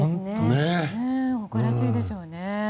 誇らしいでしょうね。